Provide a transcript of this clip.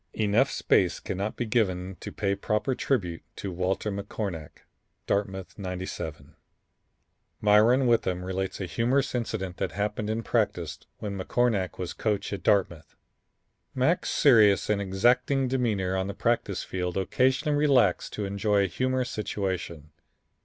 Enough space cannot be given to pay proper tribute to Walter McCornack, Dartmouth '97. Myron Witham relates a humorous incident that happened in practice when McCornack was coach at Dartmouth. "Mac's serious and exacting demeanor on the practice field occasionally relaxed to enjoy a humorous situation.